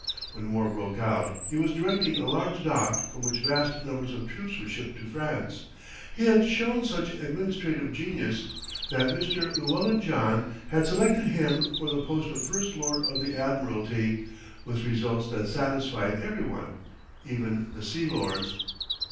When war broke out he was directing a large dock from which vast numbers of troops were shipped to France. He had shown such administrative genius, that Mr. Llewellyn John had selected him for the post of First Lord of the Admiralty, with results that satisfied every one, even the Sea Lords.